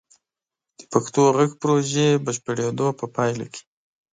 د پښتو غږ پروژې بشپړیدو په پایله کې: